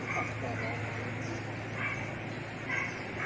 ถ้าไม่ได้ขออนุญาตมันคือจะมีโทษ